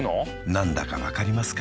何だか分かりますか？